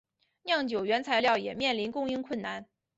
酿酒原材料也面临供应困难。